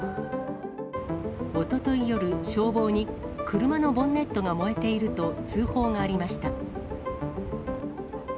おととい夜、消防に車のボンネットが燃えていると通報がありました。